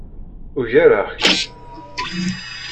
Ugareɣ-k.